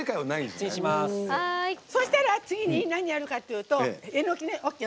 そしたら次に何やるかっていうと、えのきね。